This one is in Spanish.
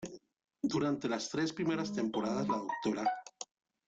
Durante las tres primeras temporadas, la Dra.